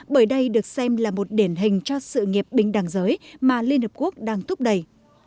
bởi đây được xem là một điển hình cho sự nghiệp bình đẳng giới mà liên hợp quốc đang thúc đẩy